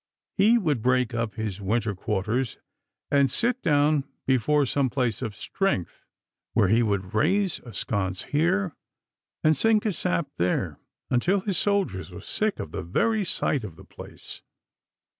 He would break up his winter quarters and sit down before some place of strength, where he would raise a sconce here, and sink a sap there, until his soldiers were sick of the very sight of the place.